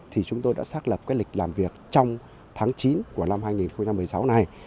thì chúng tôi đã xác lập cái lịch làm việc trong tháng chín của năm hai nghìn một mươi sáu này